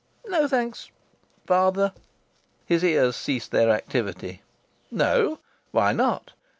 "No thanks ... father." His ears ceased their activity. "No? Why not?"